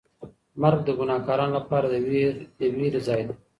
مرګ د ګناهکارانو لپاره د وېرې ځای دی.